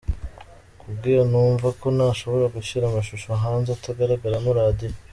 Ku bw’ibyo numva ko ntashobora gushyira amashusho hanze atagaragaramo Radio.